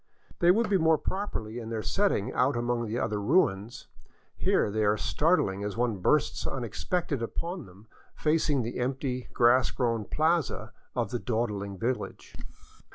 They would be more properly in their setting out among the other ruins; here they are startHng as one bursts unexpectedly upon them facing the empty grass grown plaza of the dawdling village.